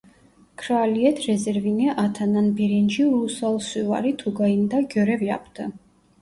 Kraliyet rezervine atanan birinci Ulusal Süvari Tugayı'nda görev yaptı.